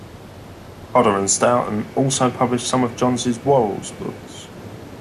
Hodder and Stoughton also published some of Johns' Worrals books.